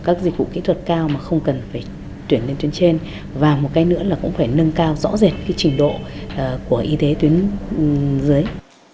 các dịch vụ kỹ thuật cao mà không cần phải tuyển lên tuyến trên và một cái nữa là cũng phải nâng cao rõ rệt cái trình độ của y tế tuyến dưới